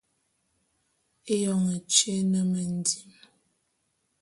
Éyoñ tyé é ne mendim.